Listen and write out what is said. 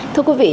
thưa quý vị